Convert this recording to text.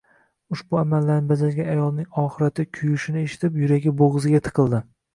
Ushbu amallarni bajargan ayolning oxirati kuyishini eshitib, yuragi bo`g`ziga tiqildi